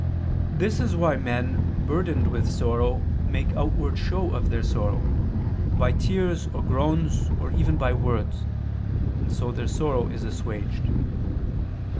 This is why men, burdened with sorrow, make outward show of their sorrow, by tears or groans or even by words, their sorrow is assuaged.